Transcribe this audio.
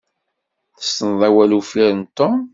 Tessneḍ awal uffir n Tom?